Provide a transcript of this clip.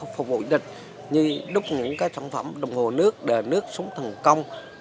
phục vụ địch như đúc những sản phẩm đồng hồ nước đờ nước súng thần công